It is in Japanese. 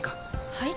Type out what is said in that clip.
はい？